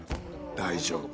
「大丈夫。